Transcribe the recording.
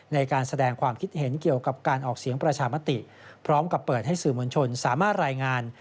ในการแสดงความคิดเห็นเกี่ยวกับการออกเสียงประชามติพร้อมกับเปิดให้สื่อมวลชนสามารถรายงาน